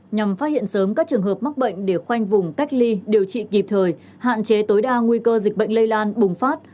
nhằm phát hiện sớm các trường hợp mắc bệnh để khoanh vùng cách ly điều trị kịp thời hạn chế tối đa nguy cơ dịch bệnh lây lan bùng phát